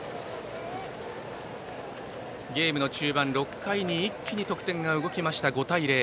ゲーム中盤、６回に一気に得点が動いて５対０。